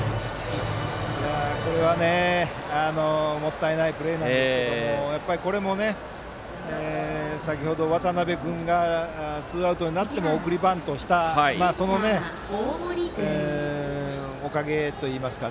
これはもったいないプレーですけどこれも先程、渡邉君がツーアウトになっても送りバントをしたそのおかげといいますか。